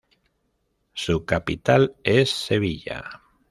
Su capital es Sevilla.